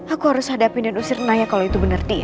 aku harus hadapin dan usir naya kalau itu benar di